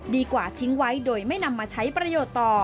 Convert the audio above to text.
ดีกว่าทิ้งไว้โดยไม่นำมาใช้ประโยชน์ต่อ